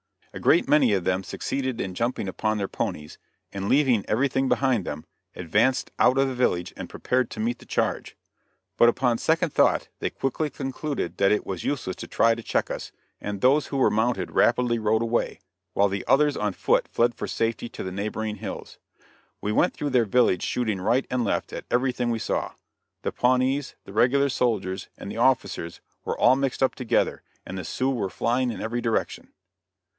A great many of them succeeded in jumping upon their ponies, and, leaving every thing behind them, advanced out of the village and prepared to meet the charge; but upon second thought they quickly concluded that it was useless to try to check us, and, those who were mounted rapidly rode away, while the others on foot fled for safety to the neighboring hills. We went through their village shooting right and left at everything we saw. The Pawnees, the regular soldiers and the officers were all mixed up together, and the Sioux were flying in every direction.